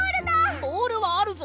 ボールはあるぞ。